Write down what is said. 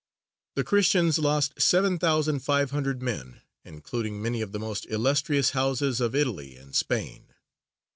The Christians lost seven thousand five hundred men, including many of the most illustrious houses of Italy and Spain.